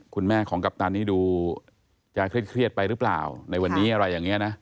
คุณแม่ของกัปตันนี่ดูจะเครียดไปหรือเปล่าในวันนี้อะไรอย่างนี้นะ